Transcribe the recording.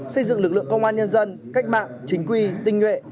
xây dựng lực lượng công an nhân dân cách mạng chính quy tinh nhuệ